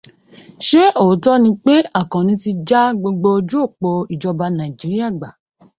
Ṣé òótọ́ ni pé Àkànni ti já gbogbo ojú òpó ìjọba Nàìjíríà gbà?